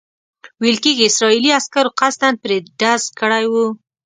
ویل کېږي اسرائیلي عسکرو قصداً پرې ډز کړی وو.